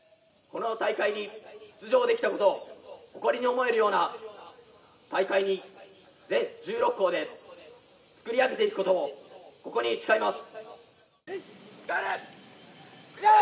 この大会に出場できたことを誇りに思えるような大会に全１６校でつくり上げていくことをここに誓います。